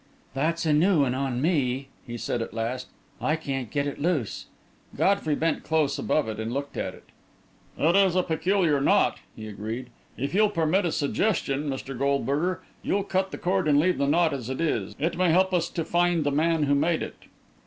"That's a new one on me," he said, at last. "I can't get it loose." Godfrey bent close above it and looked at it. "It is a peculiar knot," he agreed. "If you'll permit a suggestion, Mr. Goldberger, you'll cut the cord and leave the knot as it is. It may help us to find the man who made it."